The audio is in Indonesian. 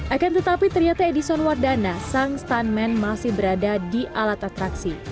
akan tetapi ternyata edison wardana sang stuntman masih berada di alat atraksi